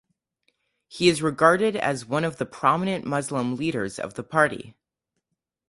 He is regarded as one of the prominent Muslim leaders of the party.